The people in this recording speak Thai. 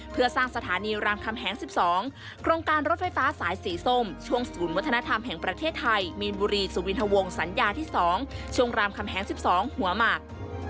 เพื่อสร้างสถานีรามคำแหง๑๒โครงการรถไฟฟ้าสายสีส้มช่วงศูนย์วัฒนธรรมแห่งประเทศไทยมีนบุรีสุวินทวงสัญญาที่๒ช่วงรามคำแหง๑๒หัวหมัก